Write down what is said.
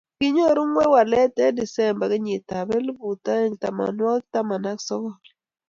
kinyoru ng'ony walet eng' disemba kenyitab elput oeng' tamanwokik taman ak sokol